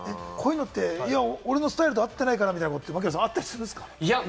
こういうのって俺のスタイルではあってないからって、あったりするんですか？